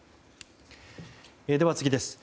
では、次です。